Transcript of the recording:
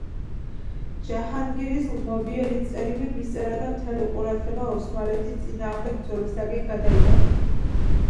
ჯაჰანგირს ლმობიერი წერილი მისწერა და მთელი ყურადღება ოსმალეთის წინააღმდეგ ბრძოლისკენ გადაიტანა.